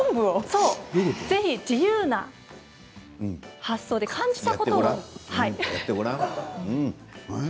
ぜひ、自由な発想で感じたことを。